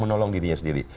menolong dirinya sendiri